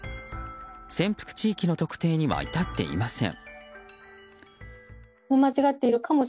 潜伏地域の特定には至っていません。